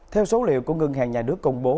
theo số liệu của ngân hàng nhà nước công bố